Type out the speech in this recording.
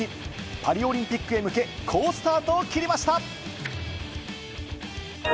パリオリンピックへ向け、好スタートを切りました。